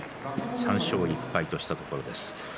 ３勝１敗としたところです。